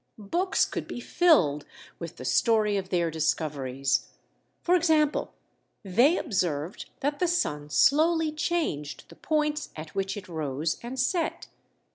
Books could be filled, with the story of their discoveries. For example, they observed that the sun slowly changed the points at which it rose and set.